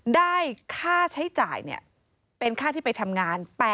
ได้ค่าใช้จ่ายเป็นค่าที่ไปทำงาน